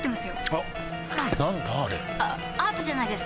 あアートじゃないですか？